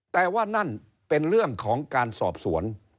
แต่ว่านั่นเป็นเรื่องของการสอบสวน